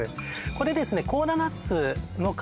これですね